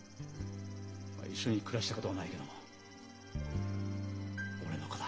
一緒に暮らしたことはないけども俺の子だ。